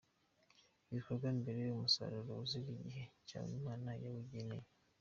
Ibikorwa mbere, umusaruro uzira igihe cyawo Imana yawugeneye.